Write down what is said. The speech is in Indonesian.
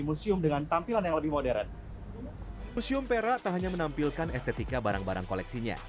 museum pera tak hanya menampilkan estetika barang barang koleksinya